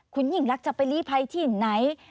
คุณยิ่งรักจะไปลีภัยที่ไหน